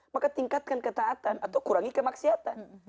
maka tingkatkan ketaatan atau kurangi kemaksiatan